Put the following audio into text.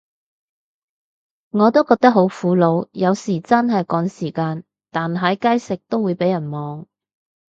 我都覺得好苦惱，有時真係趕時間，但喺街食都會被人望